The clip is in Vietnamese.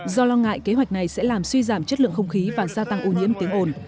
do lo ngại kế hoạch này sẽ làm suy giảm chất lượng không khí và gia tăng ô nhiễm tiếng ồn